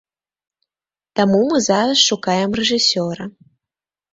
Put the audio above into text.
Таму мы зараз шукаем рэжысёра.